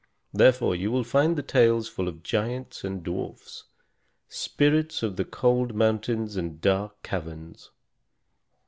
Therefore you will find the tales full of giants and dwarfs, spirits of the cold mountains and dark caverns.